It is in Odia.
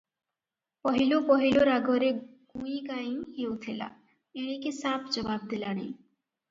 ପହିଲୁ ପହିଲୁ ରାଗରେ ଗୁଇଁ ଗାଇଁ ହେଉଥିଲା, ଏଣିକି ସାଫ ଜବାବ୍ ଦେଲାଣି ।